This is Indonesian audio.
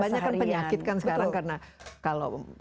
banyak kan penyakit kan sekarang karena kalau